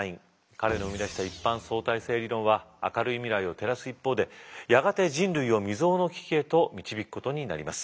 彼の生み出した一般相対性理論は明るい未来を照らす一方でやがて人類を未曽有の危機へと導くことになります。